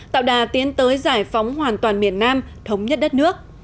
tạo đà tiến tới giải phóng hoàn toàn miền nam thống nhất đất nước